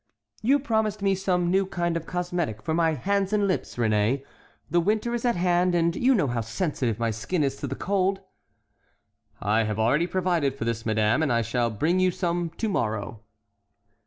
"You promised me some new kind of cosmetic for my hands and lips, Réné; the winter is at hand and you know how sensitive my skin is to the cold." "I have already provided for this, madame; and I shall bring you some to morrow."